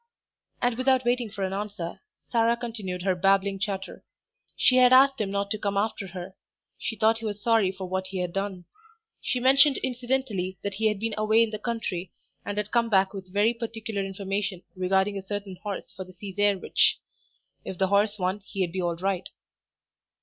And without waiting for an answer, Sarah continued her babbling chatter. She had asked him not to come after her; she thought he was sorry for what he had done. She mentioned incidentally that he had been away in the country and had come back with very particular information regarding a certain horse for the Cesarewitch. If the horse won he'd be all right.